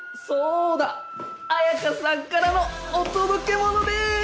綾香さんからのお届け物です！